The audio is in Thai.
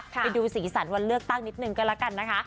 ไปดูสีสันวันเลือกตั้งนิดนึงก็แล้วกันนะคะ